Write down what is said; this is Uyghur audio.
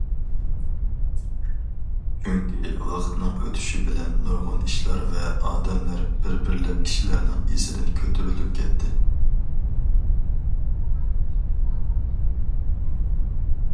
چۈنكى ۋاقىتنىڭ ئۆتۈشى بىلەن نۇرغۇن ئىشلار ۋە ئادەملەر بىر- بىرلەپ كىشىلەرنىڭ ئېسىدىن كۆتۈرۈلۈپ كەتتى.